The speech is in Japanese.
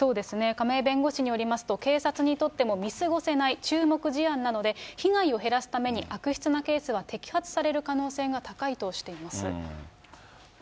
亀井弁護士によりますと、警察にとっても見過ごせない注目事案なので、被害を減らすために悪質なケースは摘発される可能性が高いとしています。